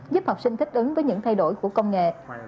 giúp học sinh thích ứng với những thay đổi của công nghệ